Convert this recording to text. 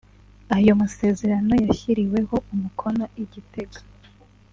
Ayo masezerano yashyiriweho umukono i Gitega